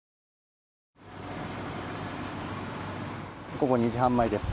午後２時半前です。